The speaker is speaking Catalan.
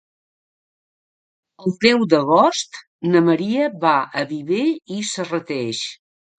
El deu d'agost na Maria va a Viver i Serrateix.